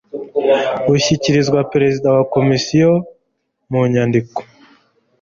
bushyikirizwa perezida wa komisiyo mu nyandiko